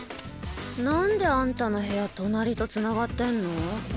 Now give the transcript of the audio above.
何であんたの部屋隣とつながってんの？